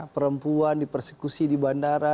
perempuan dipersekusi di bandara